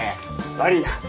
悪いな。